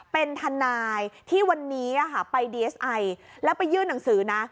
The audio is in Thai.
เป็นทนายที่วันนี้ไปดีเอสไอแล้วไปยื่นหนังสือนะ